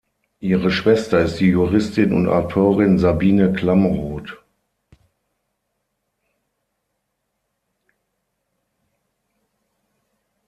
Ihre Schwester ist die Juristin und Autorin Sabine Klamroth.